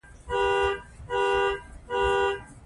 افغانستان له آب وهوا ډک دی.